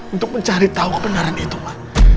untuk mencari tahu kebenaran itu pak